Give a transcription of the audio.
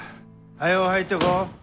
早う入ってこお。